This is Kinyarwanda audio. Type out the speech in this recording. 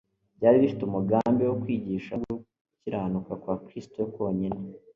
byari bifite umugambi wo kwigisha ko gukiranuka kwa Kristo konyine